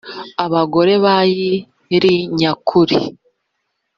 abagore bayi ri nya kubi.